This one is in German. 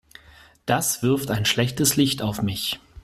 Das wirft ein schlechtes Licht auf mich.